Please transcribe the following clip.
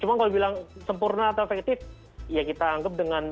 cuma kalau bilang sempurna atau efektif ya kita anggap dengan